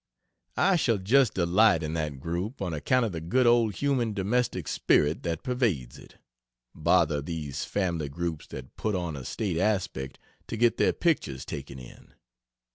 I shall just delight in that group on account of the good old human domestic spirit that pervades it bother these family groups that put on a state aspect to get their pictures taken in.